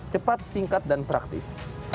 cepat singkat dan praktis